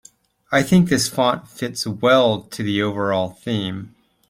I think this font fits well to the overall theme.